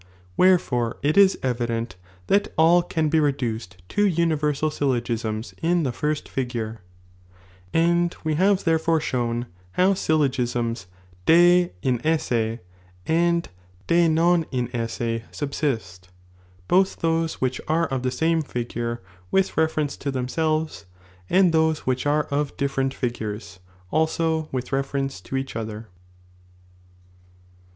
Wherefore, it is evident that all can be re duced to universal syllogisms in the first figure ; and we have therefore shown how syllogisms de iuesse and de nun incsse ' Bj El deduction lo an abaurJily. abistotxb's oeganok. Bubaist, both those which are of the same figure, with refer ence to themselves, and those which art) of different figures, also with reference to each other.